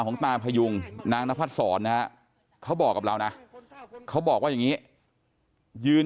ก็ยอมรับว่ามีแผ่นสัญญาก็คือ